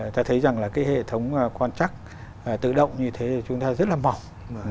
ta thấy rằng là cái hệ thống quan trắc tự động như thế chúng ta rất là mỏng